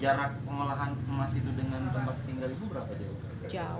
jarak pengolahan emas itu dengan tempat tinggal itu berapa jauh